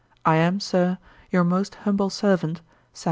I am, Sir, 'Your most humble servant, 'SAM.